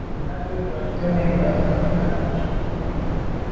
A be ghubte mèn nda’nda’ à kwù.